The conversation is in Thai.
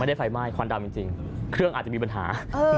ได้ไฟไหม้ควันดำจริงเครื่องอาจจะมีปัญหา